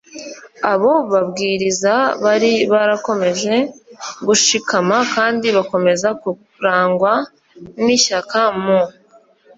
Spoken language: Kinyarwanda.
Abo babwiriza bari barakomeje gushikama kandi bakomeza kurangwa n ishyaka mu